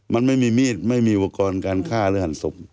มันไม่มีมีดไม่มีอุปกรณ์การฆ่าหรือหันศพ